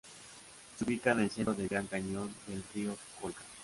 Se ubica en el centro del gran cañón del río Colca.